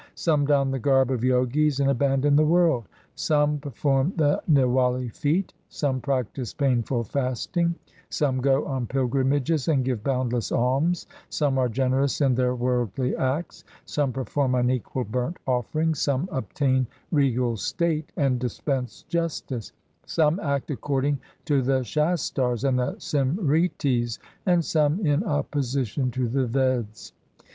Some don the garb of Jogis and abandon the world, Some perform the niwali feat, Some practise painful fasting, Some go on pilgrimages and give boundless alms, Some are generous in their worldly acts, Some perform unequalled burnt offerings, Some obtain regal state and dispense justice, Some act according to the Shastars and the Simritis, And some in opposition to the Veds.